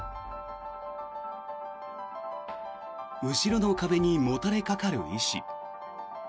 後ろの壁にもたれかかる医師。